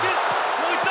もう一度！